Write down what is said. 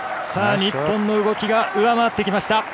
日本の動きが上回ってきました。